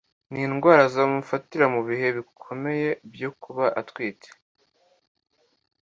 n'indwara zamufatira mu bihe bikomeye byo kuba atwite